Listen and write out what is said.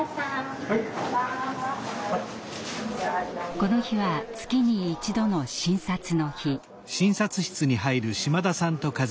この日は月に１度の診察の日。